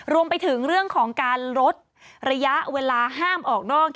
รวมไปถึงเรื่องของการลดระยะเวลาห้ามออกนอก